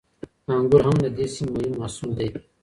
انګور هم د دې سیمې مهم محصول دی.